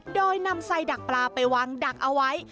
โดยนำใส่ดักปลาไปวางดักเอาไว้